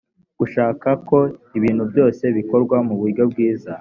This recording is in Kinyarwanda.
gushaka ko ibintu byose bikorwa mu buryo bwiza